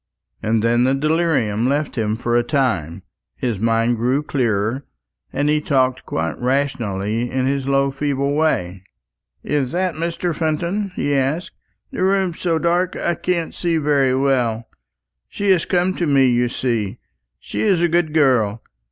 And then the delirium left him for a time, his mind grew clearer, and he talked quite rationally in his low feeble way. "Is that Mr. Fenton?" he asked; "the room's so dark, I can't see very well. She has come to me, you see. She's a good girl.